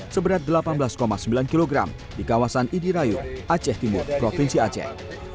seberat delapan belas sembilan kg di kawasan idirayu aceh timur provinsi aceh